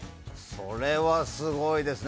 それはすごいですね。